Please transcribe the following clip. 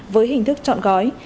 với hình thức chọn gói